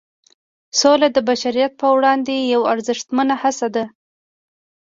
سوله د بشریت پر وړاندې یوه ارزښتمنه هڅه ده.